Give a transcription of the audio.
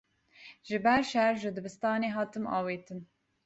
Ji ber şer ji dibistanê hatim avêtin.